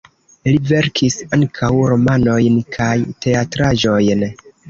Li verkis ankaŭ romanojn kaj teatraĵojn.